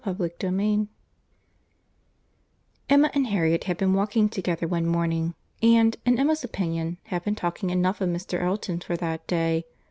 VOLUME II CHAPTER I Emma and Harriet had been walking together one morning, and, in Emma's opinion, had been talking enough of Mr. Elton for that day.